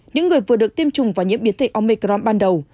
những người vừa được tiêm chủng và nhiễm biến thể omecram ban đầu